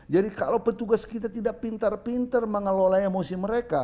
jadi kalau petugas kita tidak pintar pintar mengelola emosi mereka